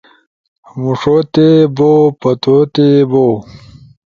مُوݜوتے بو پتوتے بو